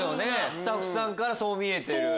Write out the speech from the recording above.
スタッフさんからそう見えてる。